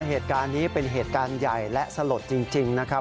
เหตุการณ์นี้เป็นเหตุการณ์ใหญ่และสลดจริงนะครับ